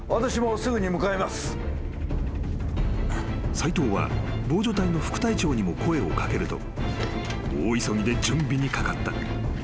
［斎藤は防除隊の副隊長にも声を掛けると大急ぎで準備にかかった］